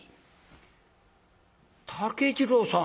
「竹次郎さん」。